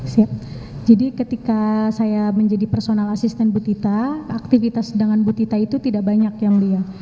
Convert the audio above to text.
siap jadi ketika saya menjadi personal asisten butita aktivitas dengan bu tita itu tidak banyak yang lihat